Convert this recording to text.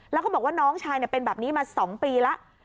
แล้วก็บอกว่าน้องชายเป็นแบบนี้มา๒ปีแล้ว